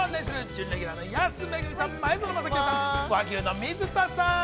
準レギュラーの安めぐみさん、前園真聖さん、和牛の水田さん。